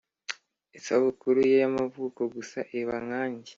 isabukuru ye y'amavuko gusa iba nkanjye.